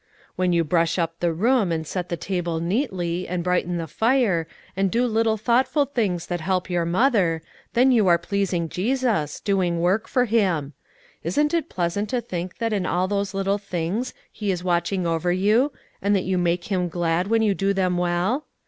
When you brush up the room, and set the table neatly, and brighten the fire, and do little thoughtful things that help your mother, then you are pleasing Jesus, doing work for Him. Isn't it pleasant to think that in all those little things He is watching over you, and that you make Him glad when you do them well?